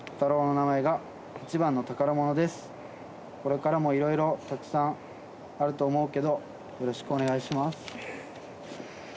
「これからもいろいろたくさんあると思うけどよろしくお願いします」。